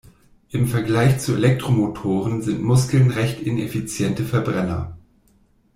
Im Vergleich zu Elektromotoren sind Muskeln recht ineffiziente Verbrenner.